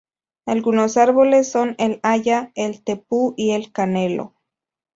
Algunos árboles son el haya, el tepú y el canelo.